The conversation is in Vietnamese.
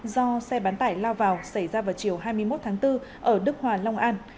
do xe bán tải lao vào xảy ra vào chiều hai mươi một tháng bốn ở đức hòa long an